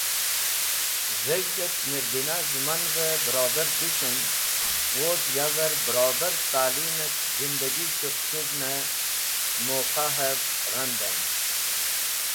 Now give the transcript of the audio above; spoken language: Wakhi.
Dheg̃hdet Mirdina Zẽmanve barobar dishen woz yaver barobar Ta’lim et zindagi shekhsuvne muqahev randen.